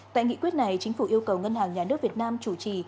tại nghị quyết này chính phủ yêu cầu ngân hàng nhà nước việt nam chủ trì